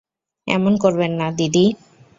এমন করবেন না, দিদি!